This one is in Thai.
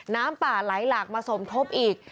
น้ำป่าไหลหลากมาสมทบอีก